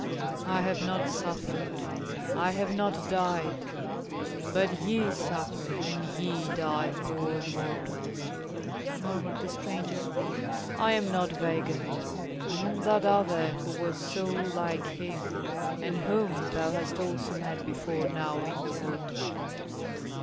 "I have not suffered, I have not died; but ye suffer, and ye die, poor mortals!" murmured the stranger. "I am not Weigand. I am that other, who was so like him, and whom thou hast also met before now in the wood."